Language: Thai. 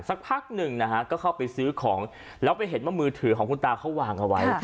สักพักหนึ่งนะฮะก็เข้าไปซื้อของแล้วไปเห็นว่ามือถือของคุณตาเขาวางเอาไว้